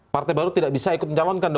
partai baru tidak bisa ikut mencalonkan